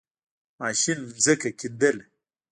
ماشین زَمکه کیندله.